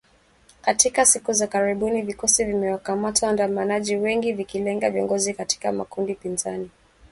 Katika siku za karibuni vikosi vimewakamata waandamanaji wengi vikilenga viongozi katika makundi pinzani